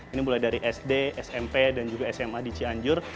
ini mulai dari sd smp dan juga sma di cianjur